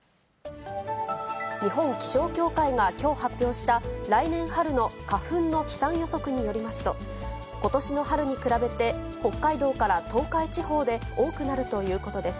日本気象協会がきょう発表した、来年春の花粉の飛散予測によりますと、ことしの春に比べて、北海道から東海地方で多くなるということです。